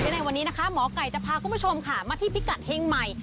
ในวันนี้นะคะหมอไก่จะพาคุณผู้ชมค่ะมาที่พิกัดเฮงใหม่